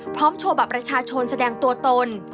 พร้อมโชว์บับประชาชนแสดงตัวตน